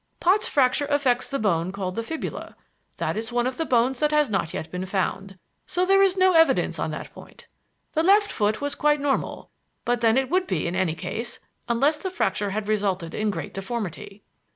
Pott's fracture affects the bone called the fibula. That is one of the bones that has not yet been found, so there is no evidence on that point. The left foot was quite normal, but then it would be in any case, unless the fracture had resulted in great deformity."